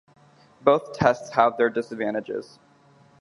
Both tests have their disadvantages.